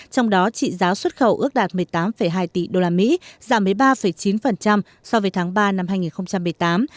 trong đó trị giá xuất khẩu ước đạt một mươi tám hai tỷ usd giảm một mươi ba chín so với tháng ba năm hai nghìn một mươi tám